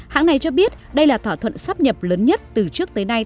hãng này cho biết đây là thỏa thuận sáp nhập lớn nhất từ trước tới nay